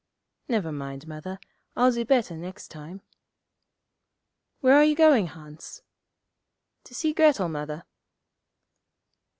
'Never mind, Mother; I'll do better next time.' 'Where are you going, Hans?' 'To see Grettel, Mother.'